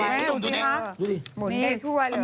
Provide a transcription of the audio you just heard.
มุนได้ทั่วเลย